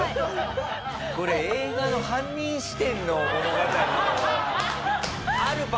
これ映画の犯人視点の物語の。